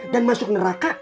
dan masuk neraka